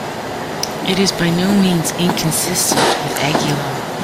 It is by no means inconsistent with "Aguilar".